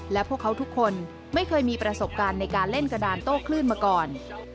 และพวกเขาทุกคนไม่เคยมีประสบการณ์ในการเล่นกระดานโต้คลื่นมาก่อน